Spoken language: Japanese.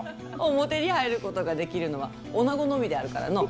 表に入ることができるのは女のみであるからの。